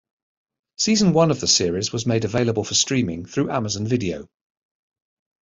Season one of the series was made available for streaming through Amazon Video.